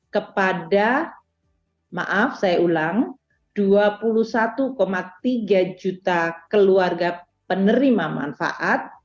kepada maaf saya ulang dua puluh satu tiga juta keluarga penerima manfaat